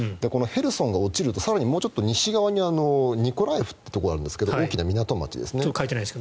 このヘルソンが落ちると更にもうちょっと西側にニコラエフっていうところがあるんですが大きな港町ですね。